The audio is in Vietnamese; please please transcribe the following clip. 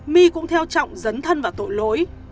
my cũng theo trọng dấn thân và tội lỗi